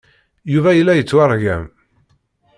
Yuba yella yettwargam.